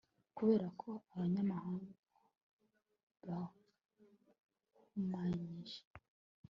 kubera ko abanyamahanga baruhumanyije